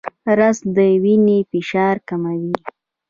رس د وینې فشار کموي